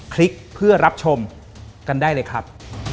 คลิกเพื่อรับชมกันได้เลยครับ